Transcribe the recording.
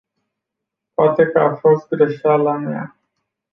Poate că a fost greșeala mea.